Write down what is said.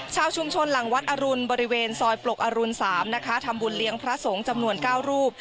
ชาวชุมชนหลังวัดอรุณบริเวณซอยปลกอรุณ๓นะคะทำบุญเลี้ยงพระสงฆ์จำนวน๙รูป